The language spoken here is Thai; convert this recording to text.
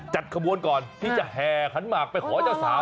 จัดขบวนก่อนที่จะแห่ขันหมากไปขอเจ้าสาว